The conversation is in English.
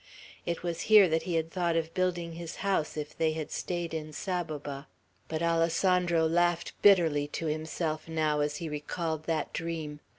It was here that he had thought of building his house if they had stayed in Saboba. But Alessandro laughed bitterly to himself now, as he recalled that dream.